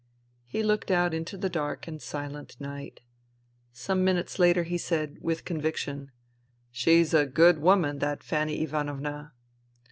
He looked out into the dark and silent night. Some minutes later he said, with conviction, *' She's a good woman, that Fanny Ivanovna."